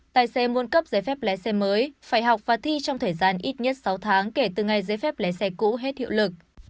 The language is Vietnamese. tài xế muốn cấp giấy phép lái xe mới phải học và thi trong thời gian ít nhất sáu tháng kể từ ngày giấy phép lái xe cũ hết hiệu lực